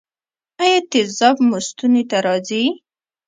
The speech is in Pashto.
ایا تیزاب مو ستوني ته راځي؟